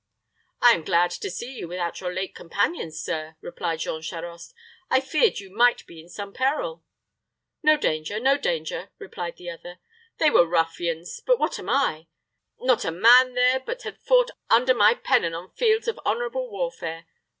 "I am glad to see you without your late companions, sir," replied Jean Charost. "I feared you might be in some peril." "No danger no danger," answered the other. "They were ruffians but what am I? Not a man there but had fought under my pennon on fields of honorable warfare.